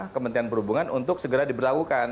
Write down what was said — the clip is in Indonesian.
kementerian perhubungan untuk segera diberlakukan